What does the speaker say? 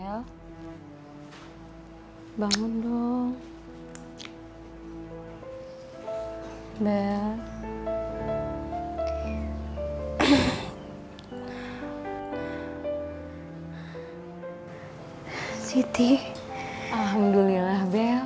kau mau bangun gak